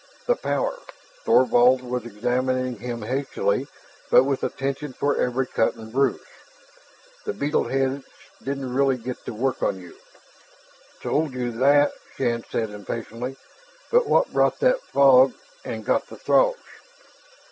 "The power." Thorvald was examining him hastily but with attention for every cut and bruise. "The beetle heads didn't really get to work on you " "Told you that," Shann said impatiently. "But what brought that fog and got the Throgs?"